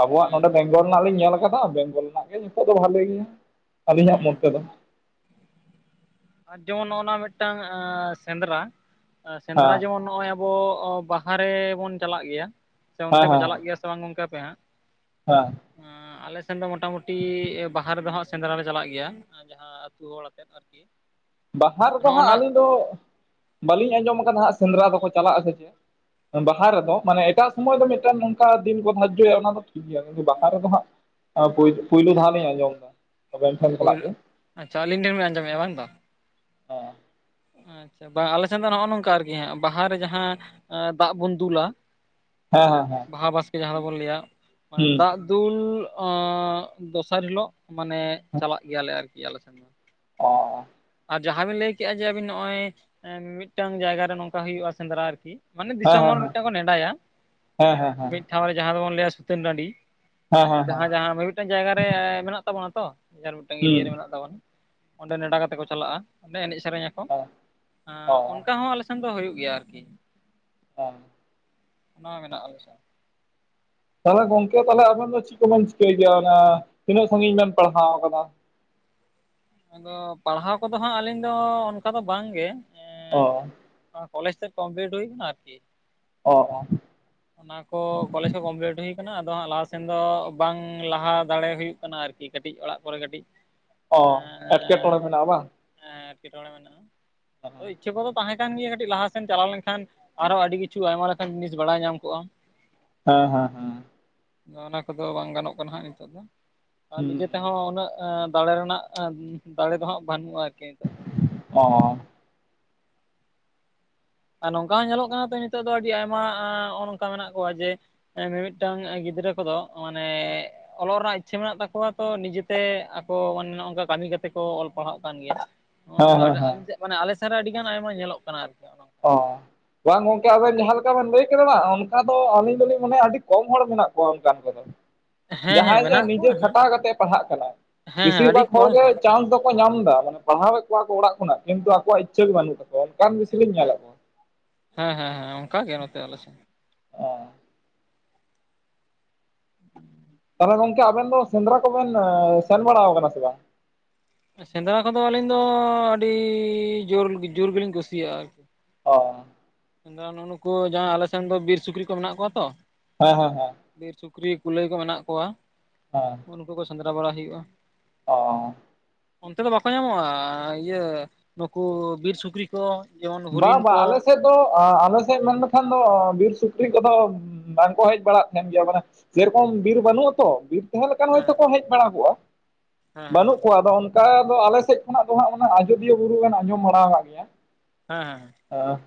ᱟᱵᱚᱣᱟᱜ ᱦᱮᱸ ᱱᱚᱰᱮ ᱵᱮᱝᱜᱚᱞ ᱨᱮᱱᱟᱜ ᱞᱤᱧ ᱧᱮᱞ ᱟᱠᱟᱫᱟ ᱵᱮᱝᱜᱚᱞ ᱨᱮᱱᱟᱜ ᱜᱮ ᱡᱷᱚᱛᱚ ᱜᱮ ᱵᱷᱟᱞᱮ ᱜᱮᱭᱟ ᱟᱹᱞᱤᱧᱟᱜ ᱦᱮᱸ ᱢᱚᱛ ᱦᱮᱸ ᱛᱮᱫᱚ। ᱟᱨ ᱡᱮᱢᱚᱱ ᱱᱚᱜᱼᱱᱟ ᱢᱤᱫᱴᱟᱝ ᱟᱸᱻ ᱥᱮᱸᱫᱽᱨᱟ ᱥᱮᱸᱫᱽᱨᱟ ᱦᱮᱸ ᱡᱮᱢᱚᱱ ᱱᱚᱜ ᱚᱭ ᱵᱚᱻ ᱵᱟᱦᱟ ᱨᱮᱻ ᱵᱚᱱ ᱪᱟᱞᱟᱜ ᱜᱮᱭᱟ ᱥᱮ ᱦᱮᱸ ᱚᱱᱛᱮ ᱯᱮ ᱪᱟᱞᱟᱜ ᱜᱮᱭᱟ ᱥᱮ ᱵᱟᱝ ᱜᱚᱝᱠᱮ ᱟᱯᱮ ᱦᱟᱸᱜ? ᱵᱟᱝ ᱮᱸᱻ ᱟᱞᱮ ᱥᱮᱱ ᱫᱚ ᱢᱚᱴᱟᱢᱩᱴᱤ ᱵᱟᱦᱟ ᱨᱮᱫᱚ ᱦᱟᱸᱜ ᱥᱮᱸᱫᱽᱨᱟ ᱞᱮ ᱪᱟᱞᱟᱜ ᱜᱮᱭᱟ ᱡᱟᱦᱟᱸ ᱟᱹᱛᱩ ᱦᱚᱲ ᱟᱛᱮᱫ ᱟᱨᱠᱤ ᱵᱟᱦᱟ ᱨᱮᱫᱚ ᱱᱚᱜᱼᱚ ᱦᱟᱸᱜ ᱱᱟ ᱟᱹᱞᱤᱧ ᱫᱚ ᱵᱟᱹᱞᱤᱧ ᱟᱸᱡᱚᱢ ᱠᱟᱫᱟ ᱦᱟᱸᱜ ᱥᱮᱸᱫᱽᱨᱟ ᱫᱚᱠᱚ ᱪᱟᱞᱟᱜ ᱟᱥᱮ ᱪᱮᱫ ᱵᱟᱦᱟ ᱨᱮᱫᱚ ᱢᱟᱱᱮ ᱮᱴᱟᱜ ᱥᱚᱢᱚᱭ ᱫᱚ ᱢᱤᱫᱴᱮᱱ ᱱᱚᱝᱠᱟ ᱫᱤᱱ ᱠᱚ ᱫᱟᱡᱽᱡᱚᱭᱟ ᱚᱱᱟ ᱫᱚ ᱤᱭᱟ. ᱵᱟᱦᱟ ᱨᱮᱫᱚ ᱦᱟᱸᱜ ᱯᱳᱭᱞᱳ ᱫᱷᱟᱣ ᱞᱤᱧ ᱟᱸᱡᱚᱢ ᱮᱫᱟ। ᱟᱵᱮᱱ ᱟ ᱴᱷᱮᱱ ᱠᱷᱚᱱᱟᱜ ᱯᱳᱭᱞᱳ ᱜᱮ ᱟᱪᱪᱷᱟ ᱟᱹᱞᱤᱧ ᱴᱮᱱ ᱵᱮᱱ ᱟᱸᱡᱚᱢᱮᱫᱼᱟ, ᱵᱟᱝ ᱵᱟᱝ ᱦᱮᱸ ᱟᱪᱪᱷᱟ ᱵᱟᱝ ᱟᱞᱮ ᱥᱮᱱ ᱫᱚ ᱱᱚᱜᱼᱚ ᱱᱚᱝᱠᱟ ᱟᱨᱠᱤ ᱦᱟᱸᱜ ᱵᱟᱦᱟᱨᱮ ᱡᱟᱦᱟᱸ ᱟᱸ ᱫᱟᱜ ᱵᱚᱱ ᱫᱩᱞᱟ ᱦᱮᱸ ᱦᱮᱸᱦᱮᱸ ᱵᱟᱦᱟ ᱵᱟᱥᱠᱮ ᱡᱟᱦᱟᱸ ᱫᱚᱵᱚᱱ ᱞᱟᱹᱭᱟ ᱢᱟᱱᱮ ᱫᱟᱜ ᱫᱩᱞ ᱚᱸᱜ ᱫᱚᱥᱟᱨ ᱦᱤᱞᱳᱜ ᱢᱟᱱᱮ ᱪᱟᱞᱟᱜ ᱜᱮᱭᱟᱞᱮ ᱟᱨᱠᱤ ᱟᱞᱮ ᱥᱮᱱ ᱫᱚ ᱚ ᱚ ᱟᱨ ᱡᱟᱦᱟᱸ ᱵᱤᱱ ᱞᱟᱹᱭ ᱠᱮᱜᱼᱟ ᱡᱮ ᱟᱵᱤᱱ ᱱᱚᱜᱼᱚᱭ ᱮᱸ ᱢᱤᱫᱴᱟᱝ ᱡᱟᱭᱜᱟ ᱨᱮ ᱱᱚᱝᱠᱟ ᱦᱩᱭᱩᱜᱼᱟ ᱥᱮᱸᱱᱫᱽᱨᱟ ᱟᱨᱠᱤ ᱢᱟᱱᱮ ᱦᱮᱸ ᱫᱤᱥᱚᱢ ᱦᱮᱸ ᱦᱚᱲ ᱦᱮᱸ ᱢᱤᱫᱴᱟᱝ ᱠᱚ ᱱᱮᱰᱟᱭᱟ ᱦᱮᱸ ᱦᱮᱸ ᱦᱮᱸ ᱢᱤᱫ ᱴᱷᱟᱶ ᱨᱮ ᱡᱟᱦᱟᱸ ᱫᱚᱵᱚᱱ ᱞᱟᱹᱭᱟ ᱥᱩᱛᱟᱹᱱ ᱴᱟᱺᱰᱤ ᱦᱮᱸ ᱦᱮᱸ ᱦᱮᱸ ᱡᱟᱦᱟᱭ ᱡᱟᱦᱟᱸ ᱨᱮ ᱢᱤᱫᱴᱟᱝ ᱡᱟᱭᱜᱟ ᱨᱮ ᱢᱮᱱᱟᱜ ᱛᱟᱵᱚᱱᱟ ᱛᱚ ᱡᱟᱦᱟᱱ ᱢᱤᱫᱴᱟᱝ ᱦᱩᱸ ᱮᱨᱤᱭᱟ ᱨᱮ ᱢᱮᱱᱟᱜ ᱛᱟᱵᱚᱱ ᱚᱸᱰᱮ ᱱᱮᱰᱟ ᱠᱟᱛᱮ ᱠᱚ ᱪᱟᱞᱟᱜᱼᱟ ᱚᱸᱰᱮ ᱮᱱᱮᱡ ᱥᱮᱨᱮᱧᱟ ᱠᱚ ᱦᱮᱸ ᱟᱸ ᱚ ᱚᱱᱠᱟ ᱦᱚᱸ ᱟᱞᱮ ᱥᱮᱱ ᱫᱚ ᱦᱩᱭᱩᱜ ᱜᱮᱭᱟ ᱟᱨᱠᱤ। ᱚ ᱚᱱᱟ ᱢᱮᱱᱟᱜᱼᱟ ᱟᱞᱮᱥᱮᱱ। ᱛᱟᱞᱦᱮ ᱜᱚᱝᱠᱮ ᱛᱟᱞᱦᱮ ᱟᱵᱮᱱ ᱫᱚ ᱪᱤᱜ ᱠᱚᱵᱮᱱ ᱪᱤᱠᱟᱹᱭ ᱜᱮᱭᱟ ᱚᱱᱟ ᱛᱤᱱᱟᱹᱜ ᱥᱟᱹᱜᱤᱧ ᱵᱮᱱ ᱯᱟᱲᱦᱟᱣ ᱟᱠᱟᱫᱟ? ᱟᱫᱚ ᱯᱟᱲᱦᱟᱣ ᱠᱚᱫᱚ ᱦᱟᱸᱜ ᱟᱹᱞᱤᱧ ᱫᱚ ᱚᱱᱠᱟ ᱫᱚ ᱵᱟᱝᱜᱮ ᱚ ᱠᱚᱞᱡᱽ ᱛᱮᱫ ᱠᱚᱢᱯᱞᱤᱴ ᱦᱩᱭ ᱠᱟᱱᱟ ᱟᱨᱠᱤ। ᱚ ᱚ। ᱚᱱᱟ ᱠᱚ ᱠᱚᱞᱮᱡᱽ ᱠᱚ ᱠᱚᱢᱯᱞᱤᱴ ᱦᱩᱭ ᱟᱠᱟᱱᱟ ᱟᱫᱚ ᱦᱟᱸᱜ ᱞᱟᱦᱟ ᱥᱮᱱ ᱫᱚ ᱵᱟᱝ ᱞᱟᱦᱟ ᱫᱟᱲᱮ ᱦᱩᱭᱩᱜ ᱠᱟᱱᱟ ᱟᱨᱠᱤ ᱠᱤ ᱠᱟᱹᱴᱤᱡ ᱚᱲᱟᱜ ᱠᱚᱨᱮ ᱠᱟᱹᱴᱤᱡ ᱚ ᱮᱴᱠᱮᱴᱚᱲᱮ ᱢᱮᱱᱟᱜᱼᱟ ᱵᱟᱝ? ᱦᱮᱸ ᱮᱴᱠᱮᱴᱚᱲᱮ ᱢᱮᱱᱟᱜᱼᱟ ᱦᱮᱸ ᱳᱭ ᱤᱪᱪᱷᱟᱹ ᱠᱚᱫᱚ ᱛᱟᱦᱮᱸᱼᱼ ᱠᱟᱱ ᱜᱮᱭᱟ ᱠᱟᱹᱴᱤᱡ ᱞᱟᱦᱟ ᱥᱮᱱ ᱪᱟᱞᱟᱣ ᱞᱮᱱᱠᱷᱟᱱ ᱟᱨᱦᱚ ᱟᱹᱰᱤ ᱠᱤᱪᱷᱩ ᱟᱭᱢᱟ ᱞᱮᱠᱟᱱ ᱡᱤᱱᱤᱥ ᱵᱟᱲᱟᱭ ᱧᱟᱢ ᱠᱚᱜᱼᱟ᱾ ᱦᱮᱸ ᱦᱮᱸ ᱦᱮᱸ। ᱚᱱᱟ ᱠᱚᱫᱚ ᱵᱟᱝ ᱜᱟᱱᱚᱜ ᱠᱟᱱᱟ ᱦᱟᱸᱜ ᱱᱤᱛᱳᱜ ᱫᱚ ᱟᱨ ᱱᱤᱡᱮ ᱛᱮᱦᱚᱸ ᱩᱱᱟᱹᱜ ᱮᱸ ᱫᱟᱲᱮ ᱨᱮᱱᱟᱜ ᱮ ᱫᱟᱲᱮ ᱫᱚ ᱦᱟᱸᱜ ᱵᱟᱹᱱᱩᱜᱼᱟ ᱟᱨᱠᱤ। ᱫᱚ ᱚ ᱟᱨ ᱱᱚᱝᱠᱟ ᱦᱚᱸ ᱧᱮᱞᱚᱜ ᱠᱟᱱᱟ ᱛᱚ ᱱᱤᱛᱚᱜ ᱫᱚ ᱟᱹᱰᱤ ᱟᱭᱢᱟ ᱱᱚᱜᱼᱚ ᱱᱚᱝᱠᱟ ᱢᱮᱱᱟᱜ ᱠᱚᱣᱟ ᱡᱮ ᱮᱸ ᱢᱤᱢᱤᱫᱴᱟᱝ ᱜᱤᱫᱽᱨᱟᱹ ᱠᱚᱫᱚ ᱢᱟᱱᱮ ᱮ ᱚᱞᱚᱜ ᱨᱮᱱᱟᱜ ᱤᱪᱪᱷᱟᱹ ᱢᱮᱱᱟᱜ ᱛᱟᱠᱚᱣᱟ ᱛᱚ ᱱᱤᱡᱮᱛᱮ ᱟᱠᱚ ᱱᱚᱜᱼᱚᱝᱠᱟ ᱠᱟᱹᱢᱤ ᱠᱟᱛᱮ ᱠᱚ ᱚᱞ ᱯᱟᱲᱦᱟᱜ ᱠᱟᱱ ᱜᱮᱭᱟ᱾ ᱱᱟᱜᱼᱚᱱᱟ ᱦᱮᱸ ᱦᱮᱸ ᱫᱚ ᱦᱮᱸ ᱟᱹᱞᱤᱧ ᱥᱮᱫ ᱢᱟᱱᱮ ᱟᱞᱮ ᱥᱮᱱ ᱨᱮ ᱟᱹᱰᱤ ᱜᱟᱱ ᱟᱭᱢᱟ ᱧᱮᱞᱚᱜ ᱠᱟᱱᱟ ᱟᱨᱠᱤ ᱚᱱᱟ। ᱚ ᱵᱟᱝ ᱜᱚᱝᱠᱮ ᱟᱵᱮᱱ ᱡᱟᱦᱟᱸ ᱞᱮᱠᱟ ᱵᱮᱱ ᱞᱟᱹᱭ ᱠᱮᱫᱟ ᱵᱟᱝ ᱚᱱᱠᱟ ᱫᱚ ᱟᱹᱞᱤᱧ ᱫᱚᱞᱤᱧ ᱢᱚᱱᱮᱭᱟ ᱟᱹᱰᱤ ᱠᱚᱢ ᱦᱚᱲ ᱢᱮᱱᱟᱜ ᱠᱚᱣᱟ ᱚᱱᱠᱟᱱ ᱠᱚᱫᱚ᱾ ᱦᱮᱸ ᱦᱮᱸ ᱡᱟᱸᱦᱟᱭ ᱜᱮ ᱢᱮᱱᱟᱜ ᱱᱤᱡᱮ ᱠᱚᱣᱟ ᱦᱮᱸ ᱠᱷᱟᱴᱟ ᱠᱟᱛᱮᱜ-ᱮ ᱯᱟᱲᱦᱟᱜ ᱠᱟᱱᱟᱭ ᱦᱮᱸ ᱦᱮᱸ ᱵᱮᱥᱤᱨ ᱟᱹᱰᱤ ᱵᱷᱟᱜᱽ ᱠᱚᱢ ᱦᱚᱲᱜᱮ ᱦᱚᱲ ᱪᱟᱱ ᱫᱚ ᱠᱚ ᱧᱟᱢ ᱫᱟ ᱢᱟᱱᱮ ᱯᱟᱲᱦᱟᱣ ᱮᱫ ᱠᱚᱣᱟ ᱠᱚ ᱲᱟᱜ ᱠᱷᱱᱟᱜ ᱠᱤᱱᱛᱩ ᱟᱠᱚᱣᱟᱜ ᱤᱪᱪᱷᱟᱹ ᱜᱮ ᱵᱟᱹᱱᱩᱜ ᱛᱟᱠᱚᱣᱟ ᱚᱱᱠᱟᱱ ᱵᱤᱥᱤᱞᱤᱧ ᱦᱮᱸ ᱧᱮᱞᱮᱜ ᱦᱮᱸ ᱦᱮᱸ ᱦᱮᱸ ᱚᱝᱠᱟ ᱜᱮ ᱱᱚᱛᱮ ᱟᱞᱮᱥᱮᱫ ᱚ [unintelligible] ᱛᱟ ᱜᱚᱢᱠᱮ ᱟᱵᱮᱱ ᱫᱚ ᱥᱮᱸᱫᱽᱨᱟ ᱠᱚᱵᱮᱱ ᱟᱹᱻ ᱥᱮᱱ ᱵᱟᱲᱟᱣ ᱠᱟᱱᱟ ᱥᱮ ᱵᱟᱝ? ᱥᱮᱸᱫᱽᱨᱟ ᱠᱚᱫᱚ ᱟᱹᱞᱤᱧ ᱫᱚ ᱟᱹᱰᱤ ᱡᱳᱨ, ᱡᱳᱨ ᱜᱮᱞᱤᱧ ᱠᱩᱥᱤᱭᱟᱜᱼᱟ ᱟᱨ ᱚ [unintelligible] ᱱᱩᱜ ᱱᱩᱠᱩ ᱡᱟᱦᱟᱸ ᱟᱞᱮ ᱥᱮᱱ ᱫᱚ ᱵᱤᱨ ᱥᱩᱠᱨᱤ ᱠᱚ ᱢᱮᱱᱟᱜ ᱠᱚᱣᱟ ᱛᱚ᱾ ᱦᱚᱭ ᱦᱚᱭ ᱦᱚᱭ ᱵᱤᱨ ᱥᱩᱠᱨᱤ ᱠᱩᱞᱟᱹᱭ ᱠᱚ ᱢᱮᱱᱟᱜ ᱠᱚᱣᱟ᱾ ᱟ ᱩᱱᱠᱩ ᱠᱚ ᱥᱮᱸᱫᱽᱨᱟ ᱵᱟᱲᱟ ᱦᱩᱭᱩᱜᱼᱟ᱾ ᱚᱻ ᱚᱱᱛᱮ ᱫᱚ ᱵᱟᱠᱚ ᱧᱟᱢᱚᱜᱼᱟ ᱤᱭᱟᱹ ᱱᱩᱠᱩ ᱵᱤᱨ ᱥᱩᱠᱨᱤ? ᱛᱚ ᱡᱮᱢᱚᱱ ᱦᱚᱨᱤᱱ ᱵᱟ-ᱵᱟ ᱠᱚ ᱟᱞᱮ ᱥᱮᱜ ᱫᱚ ᱟ ᱟᱞᱮ ᱥᱮᱫᱽ ᱢᱮᱱ ᱞᱮᱠᱷᱟᱱ ᱫᱚ ᱵᱤᱨ ᱥᱩᱠᱨᱤ ᱠᱚᱫᱚ ᱵᱟᱝᱠᱚ ᱦᱮᱡ ᱵᱟᱲᱟᱜ ᱛᱟᱦᱮᱱ ᱜᱮᱭᱟ, ᱢᱟᱱᱮ ᱥᱮᱨᱚᱠᱚᱢ ᱵᱤᱨ ᱵᱟᱹᱱᱩᱜᱟ ᱛᱚ ᱵᱤᱨ ᱛᱟᱦᱮᱸ ᱞᱮᱠᱟᱱ ᱦᱮᱸ ᱦᱚᱳᱭᱛᱳ ᱠᱚ ᱦᱮᱡ ᱵᱟᱲᱟ ᱠᱚᱜᱼᱟ᱾ ᱵᱟᱹᱱᱩᱜ ᱦᱮᱸ ᱠᱚᱣᱟ ᱟᱫᱚ [unintelligible] ᱟᱞᱮ ᱥᱮᱫ ᱠᱷᱚᱱᱟᱜ ᱫᱚ ᱦᱟᱸᱜ ᱚᱱᱟ ᱟᱡᱚᱫᱤᱭᱟᱹ ᱵᱩᱨᱩ ᱵᱮᱱ ᱟᱸᱡᱚᱢ ᱵᱟᱲᱟ ᱠᱟᱜ ᱜᱮᱭᱟ? ᱦᱮᱸ ᱦᱮᱸ। ᱟ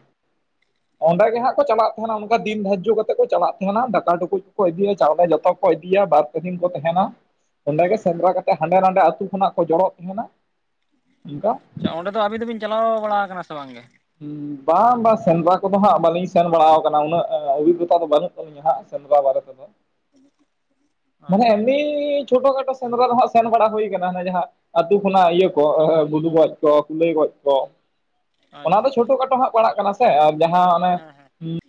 ᱚᱸᱰᱮ ᱜᱮ ᱦᱟᱸᱜ ᱠᱚ ᱪᱟᱞᱟᱜ ᱛᱟᱦᱮᱱᱟ᱾ᱚᱱᱠᱟ ᱫᱤᱱ ᱫᱷᱡᱽᱡᱚ ᱠᱟᱛᱮ ᱠᱚ ᱪᱟᱞᱟᱜ ᱛᱟᱦᱮᱱᱟ ᱾ᱫᱟᱠᱟ ᱴᱩᱠᱩᱡ ᱠᱚᱠᱚ ᱤᱫᱤᱭᱟ, ᱪᱟᱣᱞᱮ ᱡᱚᱛᱚ ᱠᱚ ᱤᱫᱤᱭᱟ [unintelligible] [unintelligible] ᱠᱚ ᱛᱟᱦᱮᱱᱟ ᱚᱸᱰᱮ ᱜᱮ ᱦᱮᱸ ᱥᱮᱸᱫᱽᱨᱟ ᱠᱟᱛᱮᱫ ᱦᱟᱸᱰᱮ ᱱᱟᱰᱮ ᱟᱛᱩ ᱠᱷᱚᱱᱟᱜ ᱠᱚ ᱡᱚᱲᱚᱜ ᱛᱟᱦᱮᱱᱟ᱾ ᱚᱱᱠᱟ ᱚᱸᱰᱮ ᱫᱚ ᱟᱹᱵᱤᱱ ᱫᱚᱵᱤᱱ ᱪᱟᱞᱟᱣ ᱵᱟᱲᱟ ᱟᱠᱟᱱᱟ ᱥᱮ ᱵᱟᱝ ᱜᱮ? ᱦᱩᱸ, ᱵᱟᱝ ᱵᱟᱝ ᱥᱮᱸᱫᱽᱨᱟ ᱠᱚᱫᱚ ᱦᱟᱸᱜ ᱵᱟᱞᱤᱧ ᱥᱮᱱ ᱵᱟᱲᱟᱣ ᱟᱠᱟᱱᱟ ᱩᱱᱟᱹᱜ ᱚᱵᱷᱤᱜᱽᱜᱚᱛᱟ ᱫᱚ ᱵᱟᱹᱱᱩᱜ ᱛᱟᱹᱞᱤᱧᱟ ᱦᱟᱸᱜ ᱥᱮᱸᱫᱽᱨᱟ ᱵᱟᱨᱮᱛᱮ᱾ ᱛᱚᱵᱮ ᱟᱪᱪᱷᱟ ᱮᱢᱱᱤ ᱪᱷᱳᱴᱳ ᱠᱷᱟᱴᱚ ᱥᱮᱸᱫᱽᱨᱟ ᱫᱚ ᱦᱟᱸᱜ ᱥᱮᱱ ᱵᱟᱲᱟ ᱦᱩᱭ ᱟᱠᱟᱱᱟ ᱚᱱᱮ ᱡᱟᱦᱟᱸ ᱟᱹᱛᱩ ᱠᱷᱚᱱᱟᱜ ᱤᱭᱟᱹ ᱠᱚ ᱟᱹ ᱜᱩᱰᱩ ᱜᱚᱡ ᱠᱚ ᱠᱩᱞᱟᱹᱭ ᱜᱚᱡ ᱠᱚ ᱚᱱᱟ ᱟᱪᱪᱷᱟ ᱫᱚ ᱟᱪᱪᱷᱟ ᱪᱷᱳᱴᱳ ᱠᱷᱟᱴᱚ ᱦᱟᱸᱜ ᱯᱟᱲᱟᱜ ᱠᱟᱱᱟ ᱥᱮ ᱡᱟᱦᱟᱸ ᱚᱱᱮ ᱦᱮᱸ ᱦᱮᱸ